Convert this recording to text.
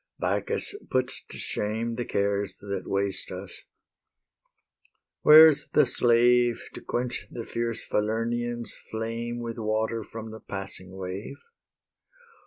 Bacchus puts to shame The cares that waste us. Where's the slave To quench the fierce Falernian's flame With water from the passing wave?